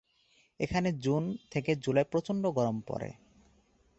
এখানে জুন থেকে জুলাই প্রচণ্ড গরম পরে।